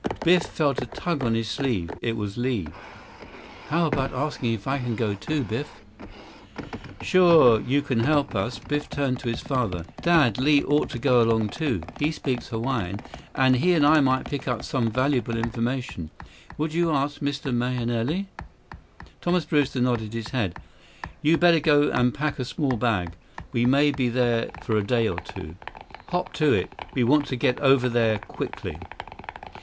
Biff felt a tug on his sleeve. It was Li. "How about asking if I can go, too, Biff?" "Sure. You can help us." Biff turned to his father. "Dad, Li ought to go along, too. He speaks Hawaiian, and he and I might pick up some valuable information. Would you ask Mr. Mahenili?" Thomas Brewster nodded his head. "You better go pack a small bag. We may be there for a day or two. Hop to it. We want to get over there quickly."